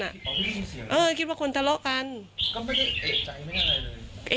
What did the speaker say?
ได้ยินเสียงเออคิดว่าคนทะเลาะกันก็ไม่ได้เอกใจไม่ได้อะไรเลย